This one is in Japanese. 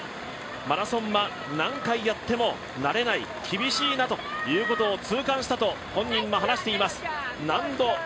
マラソンは何回やっても慣れない、厳しいなということを痛感したと本人も話しています。